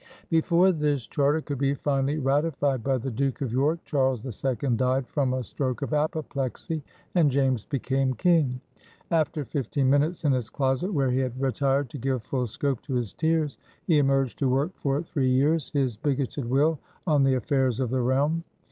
Before this charter could be finally ratified by the Duke of York, Charles II died from a stroke of apoplexy, and James became King. After fifteen minutes in his closet, where he had retired to give "full scope to his tears," he emerged to work for three years his bigoted will on the affairs of the realm.